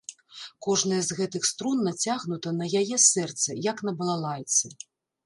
Кожная з гэтых струн нацягнута на яе сэрцы, як на балалайцы.